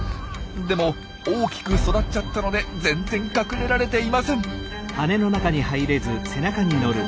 でも大きく育っちゃったので全然隠れられていません。